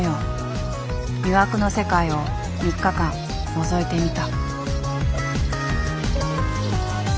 魅惑の世界を３日間のぞいてみた。